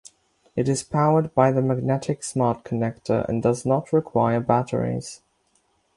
It is powered by the magnetic Smart Connector and does not require batteries.